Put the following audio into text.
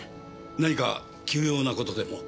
何か急用なことでも？